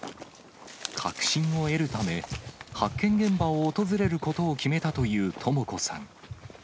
確信を得るため、発見現場を訪れることを決めたというとも子さん。